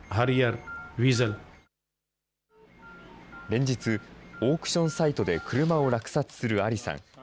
連日、オークションサイトで車を落札するアリさん。